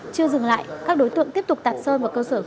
chưa dừng lại các đối tượng tiếp tục tạt sơn vào cơ sở